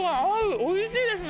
美味しいですね！